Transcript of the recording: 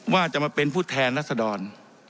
ว่าจะมาเป็นผู้แทนรัศดร